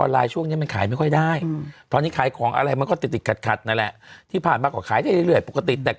ให้เงินบริจักษ์ไปดูแลจะสามารถเจอกัน